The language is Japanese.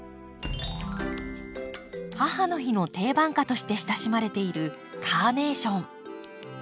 母の日の定番花として親しまれているカーネーション。